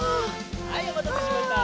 はいおまたせしました！